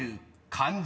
漢字？